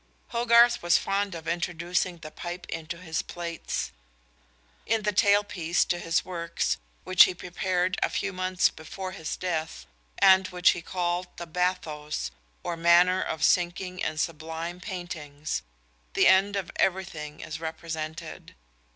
Hogarth was fond of introducing the pipe into his plates. In the tail piece to his works, which he prepared a few months before his death, and which he called The Bathos, or Manner of Sinking in Sublime Paintings, the end of everything is represented.